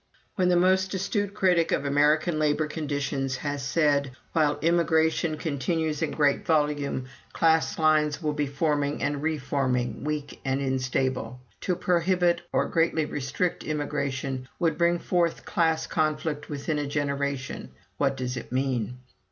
"When the most astute critic of American labor conditions has said, 'While immigration continues in great volume, class lines will be forming and reforming, weak and instable. To prohibit or greatly restrict immigration would bring forth class conflict within a generation,' what does it mean?